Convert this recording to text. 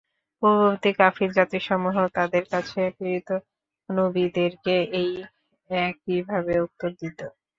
পূর্ববর্তী কাফির জাতিসমূহও তাদের কাছে প্রেরিত নবীদেরকে এই একইভাবে উত্তর দিত।